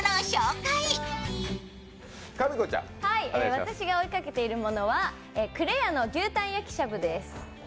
私が追いかけているものは紅れやの牛タン焼きしゃぶです。